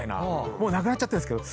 もうなくなっちゃってんすけど。